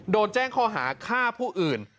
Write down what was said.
โดนแจ้งข้อหาฆ่าผู้อื่น